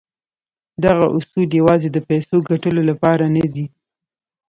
دغه اصول يوازې د پيسو ګټلو لپاره نه دي.